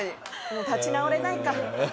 もう立ち直れないか。